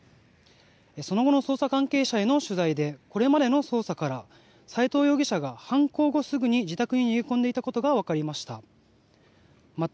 その後の捜査関係者への取材でこれまでの捜査から斎藤容疑者が犯行後、すぐに自宅に逃げ込んでいたことが分かりました。